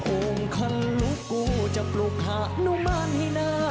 องค์คันลูกกูจะปลูกหานุมานให้หน้า